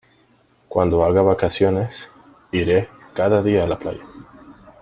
Cuando haga vacaciones iré cada día a la playa.